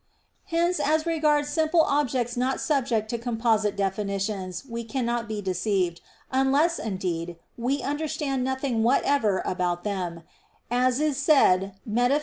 Hence as regards simple objects not subject to composite definitions we cannot be deceived unless, indeed, we understand nothing whatever about them, as is said _Metaph.